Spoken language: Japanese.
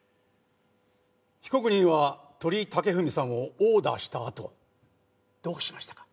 被告人は鳥居武文さんを殴打したあとどうしましたか？